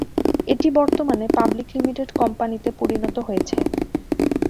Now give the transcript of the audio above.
এটি বর্তমানে public limited কোম্পানিতে পরিণত হয়েছে।